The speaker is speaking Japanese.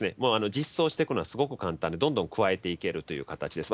じっそうしていくのはすごく簡単で、どんどん加えていけるという形です。